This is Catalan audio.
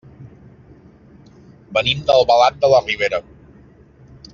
Venim d'Albalat de la Ribera.